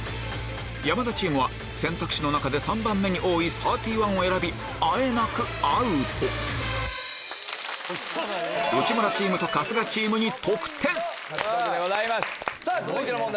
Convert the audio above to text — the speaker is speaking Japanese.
山田チームは選択肢の中で３番目に多いサーティワンを選びあえなくアウト内村チームと春日チームに得点続いての問題